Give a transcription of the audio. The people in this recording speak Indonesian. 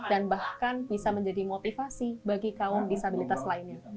dan bahkan bisa menjadi motivasi bagi kaum disabilitas lainnya